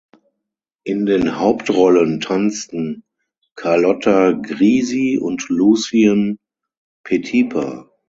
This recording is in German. In den Hauptrollen tanzten Carlotta Grisi und Lucien Petipa.